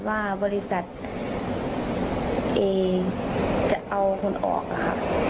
ว่าบริษัทเองจะเอาคนออกค่ะ